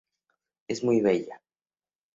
Es muy bella.